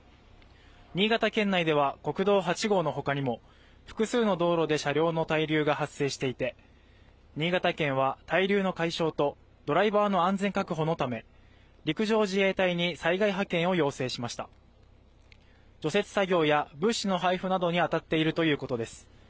新潟県内では国道８号のほかにも複数の道路で車両の滞留が発生していて新潟県は滞留の解消とドライバーの安全確保のため陸上自衛隊に災害派遣を要請しました除雪作業や物資の配布などに当たっているということです